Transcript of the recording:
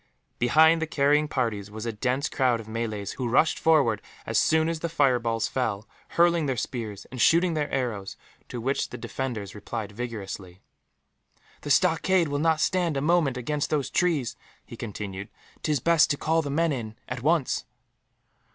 Behind the carrying parties was a dense crowd of Malays, who rushed forward as soon as the fireballs fell, hurling their spears and shooting their arrows, to which the defenders replied vigorously. "The stockade will not stand a moment against those trees," he continued. "'Tis best to call the men in, at once."